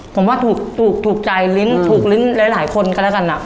ผมว่าถูกถูกถูกใจลิ้นถูกลิ้นหลายหลายคนกันแล้วกันอ่ะ